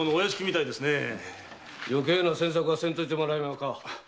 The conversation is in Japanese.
余計な詮索はせんといてもらいましょか。